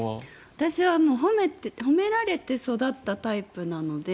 私は褒められて育ったタイプなので。